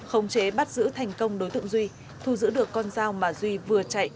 khống chế bắt giữ thành công đối tượng duy thu giữ được con dao mà duy vừa chạy